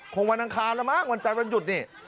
วันอังคารแล้วมั้งวันจันทร์วันหยุดนี่